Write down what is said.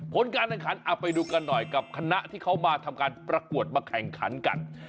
ผลการแข่งขันเอาไปดูกันหน่อยกับคณะที่เขามาทำการประกวดมาแข่งขันกัน